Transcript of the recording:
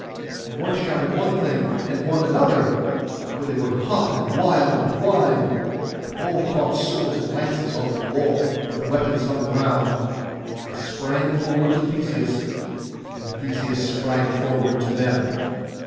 And one shouted one thing, and one another; for they were hot and wild with wine: but all caught swords and lances off the wall, where the weapons hung around, and sprang forward to Theseus, and Theseus sprang forward to them.